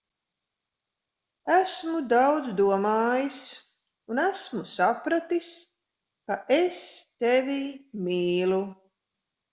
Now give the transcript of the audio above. Esmu daudz domājis, un esmu sapratis, ka es tevi mīlu.